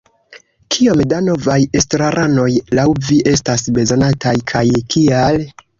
Kiom da novaj estraranoj laŭ vi estas bezonataj, kaj kial?